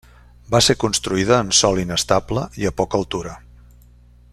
Va ser construïda en sòl inestable i a poca altura.